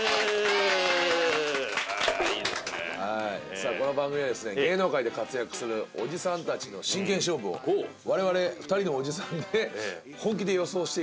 さあこの番組はですね芸能界で活躍するおじさんたちの真剣勝負を我々２人のおじさんで本気で予想していくという番組でございます。